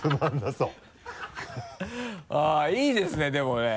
あぁいいですねでもね。